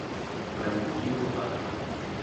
qanciura!